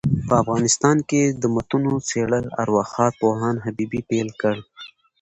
په افغانستان کي دمتونو څېړل ارواښاد پوهاند حبیبي پيل کړ.